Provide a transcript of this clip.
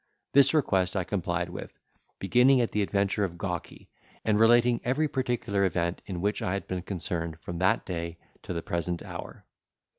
This request I complied with, beginning at the adventure of Gawky, and relating every particular event in which I had been concerned from that day to the present hour.